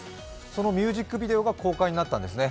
そのミュージックビデオが公開になったんですね。